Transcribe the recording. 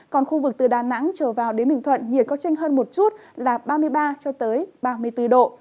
còn khu vực từ đà nẵng trở vào đến bình thuận nhiệt có tranh hơn một chút là ba mươi ba ba mươi bốn độ